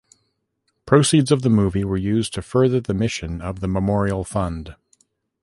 Proceeds of the movie were used to further the mission of the Memorial Fund.